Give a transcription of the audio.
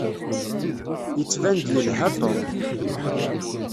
Yettban-d yelha Tom.